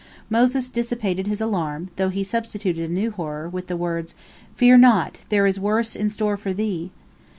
Moses dissipated his alarm, though he substituted a new horror, with the words, "Fear not, there is worse in store for thee!"